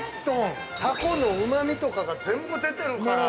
◆タコのうまみとかが全部出てるから。